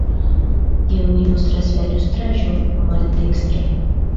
Tion ilustras la ilustraĵo maldekstre.